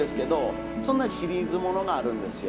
そんなシリーズ物があるんですよ。